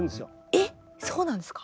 えっそうなんですか？